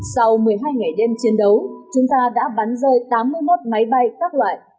sau một mươi hai ngày đêm chiến đấu chúng ta đã bắn rơi tám mươi một máy bay các loại